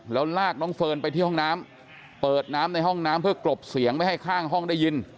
แล้วลากน้องเฟิร์นไปที่ห้องน้ำเปิดน้ำในห้องน้ำเพื่อกลบเสียงไม่ให้ข้างห้องได้ยิน